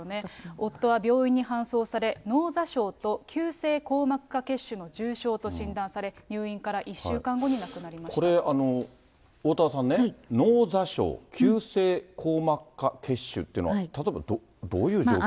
夫は病院に搬送され、脳挫傷と、急性硬膜下血腫の重傷と診断され、入院から１週間後に亡くなりましこれ、おおたわさんね、脳挫傷、急性硬膜下血腫というのは、例えばどういう状況で。